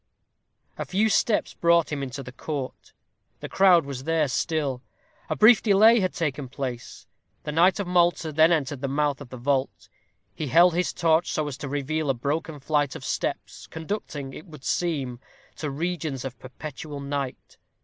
A few steps brought him into the court. The crowd was there still. A brief delay had taken place. The knight of Malta then entered the mouth of the vault. He held his torch so as to reveal a broken flight of steps, conducting, it would seem, to regions of perpetual night.